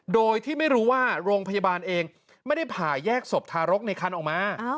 โดยที่ไม่รู้ว่าโรงพยาบาลเองไม่ได้ผ่าแยกศพทารกในคันออกมา